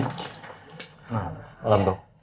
selamat malam dok